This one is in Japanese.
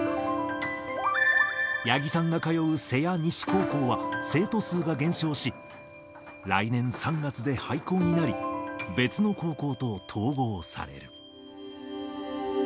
八木さんが通う瀬谷西高校は、生徒数が減少し、来年３月で廃校になり、別の高校と統合される。